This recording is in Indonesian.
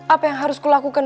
apa yang harus kulakukan